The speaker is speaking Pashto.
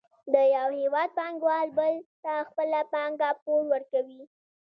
د یو هېواد پانګوال بل ته خپله پانګه پور ورکوي